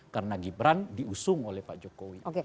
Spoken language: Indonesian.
karena gibran diusung oleh pak jokowi